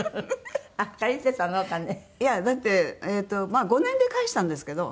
いやだってまあ５年で返したんですけど。